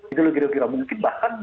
itu logika logika mungkin bahkan